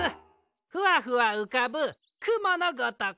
ふわふわうかぶくものごとく。